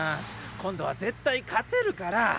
今度は絶対勝てるから！